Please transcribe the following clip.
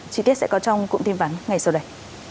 chí tiết sẽ có trong cụm tin vắng ngày sau đây